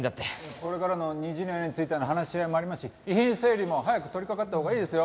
これからの虹の屋についての話し合いもありますし遺品整理も早く取りかかったほうがいいですよ。